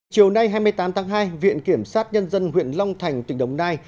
chiều nay hai mươi tám tháng hai viện kiểm sát nhân dân huyện long thành tỉnh đồng nai